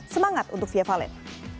semangat untuk fia fallen